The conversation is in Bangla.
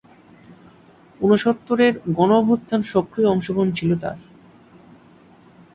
ঊনসত্তরের গণঅভ্যুত্থান সক্রিয় অংশগ্রহণ ছিল তার।